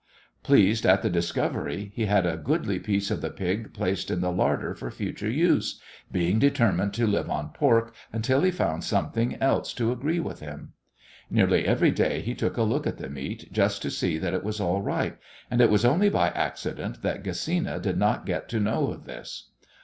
Pleased at the discovery, he had a goodly piece of the pig placed in the larder for future use, being determined to live on pork until he found something else to agree with him. Nearly every day he took a look at the meat, just to see that it was all right, and it was only by accident that Gesina did not get to know of this.